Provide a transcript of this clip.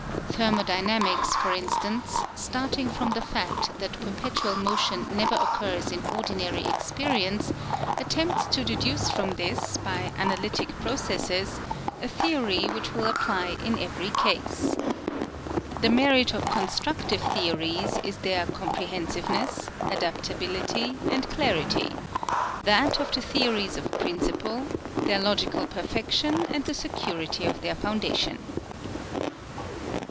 Thermody namics, for instance, starting from the fact that perpetual motion never occurs in ordi nary experience, attempts to deduce from this, by analytic processes, a theory which will apply in every case. The merit of construc tive theories is their comprehensiveness, adapt ability, and clarity, that of the theories of principle, their logical perfection, and the security of their foundation.